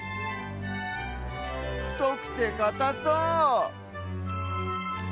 ふとくてかたそう！